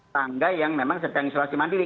tangga yang memang sedang isolasi mandiri